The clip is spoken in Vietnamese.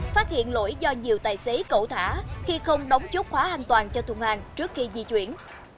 phát hiện lỗi do nhiều tài xế cậu thả khi không đóng chốt khóa an toàn cho thùng hàng trước khi di chuyển